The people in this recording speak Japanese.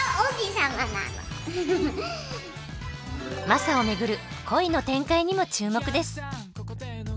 マサを巡る恋の展開にも注目です。